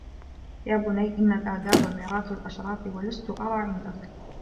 يَا بُنَيَّ إنَّ الْآدَابَ مِيرَاثُ الْأَشْرَافِ وَلَسْتُ أَرَى عِنْدَك